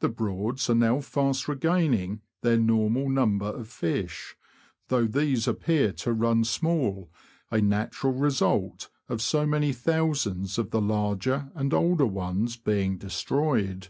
The Broads are now fast regaining their normal number of fish, though these appear to run small, a natural result of so many thousands of the larger and older ones being destroyed.